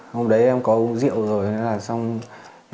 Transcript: hôm đấy em có u rượu rồi